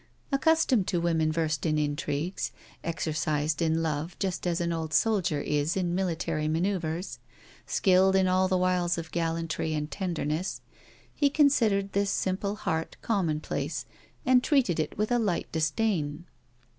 Accustomed to women versed in intrigues, exercised in love just as an old soldier is in military maneuvers, skilled in all the wiles of gallantry and tenderness, he considered this simple heart commonplace, and treated it with a light disdain.